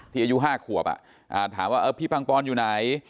อายุ๕ขวบถามว่าพี่ปังปอนอยู่ไหน